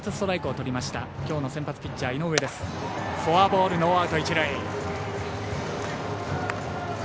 フォアボール、ノーアウト、一塁。